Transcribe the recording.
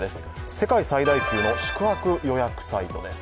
世界最大級の宿泊予約サイトです。